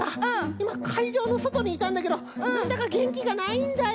いまかいじょうのそとにいたんだけどなんだかげんきがないんだよ。